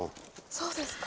そうですか。